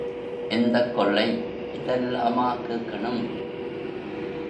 எந்தக் கொல்லை இதெல்லாமா கேக்கணும்?